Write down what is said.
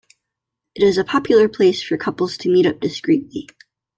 It is a popular place for couples to meet up discreetly.